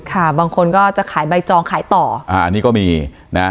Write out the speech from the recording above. ค่ะบางคนก็จะขายใบจองขายต่ออ่าอันนี้ก็มีนะฮะ